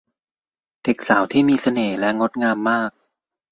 เด็กสาวที่มีเสน่ห์และงดงามมาก